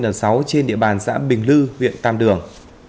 trên địa bàn xã bình lư huyện tam đường